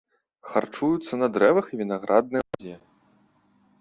Харчуюцца на дрэвах і вінаграднай лазе.